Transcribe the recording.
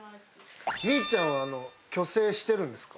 ミーちゃんは去勢してるんですか？